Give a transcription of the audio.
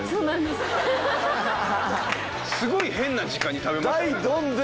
すごい変な時間に食べましたね。